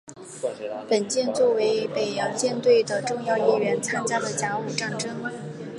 本舰作为北洋舰队的重要一员参加了甲午战争。